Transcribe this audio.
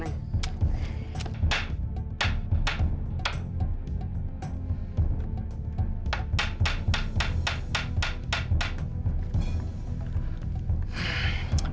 ya sama sama nek